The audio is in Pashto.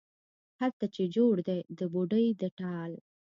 هلته چې جوړ دی د بوډۍ د ټال،